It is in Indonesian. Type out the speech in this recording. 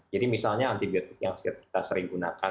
jadi misalnya antibiotik yang kita sering gunakan